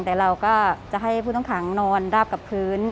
แต่เราก็จะให้ผู้ต้องขังนอนราบกับพื้น